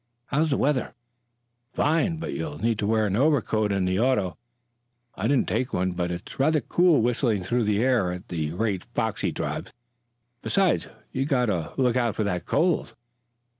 How's the weather?" "Fine, but you'll need to wear an overcoat in the auto. I didn't take one, but it's rather cool whistling through the air at the rate Foxy drives. Besides, you've got to look out for that cold.